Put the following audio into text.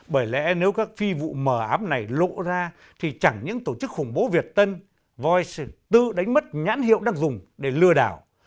bởi lẽ nếu các phi vụ mờ ám này lộ ra thì chẳng những tổ chức khủng bố việt tân voice tự đánh mất nhãn hiệu đang dùng để lừa đảo